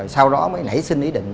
sau đó mới nảy sinh ý định